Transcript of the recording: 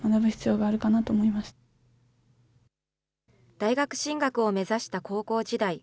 大学進学を目指した高校時代。